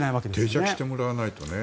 定着してもらわないとね。